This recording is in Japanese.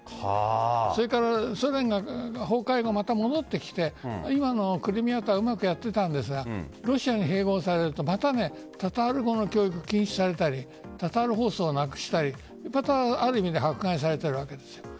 それからソ連が崩壊後また戻ってきて今のクリミアとうまくやっていたんですがロシアに併合されるとまたタタール語の教育が禁止されたりタタール放送をなくしたりある意味で迫害されているわけです。